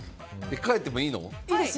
変えてもいいの？